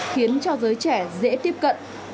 khiến cho giới trẻ dễ tiếp cận